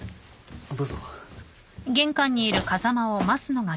どうぞ。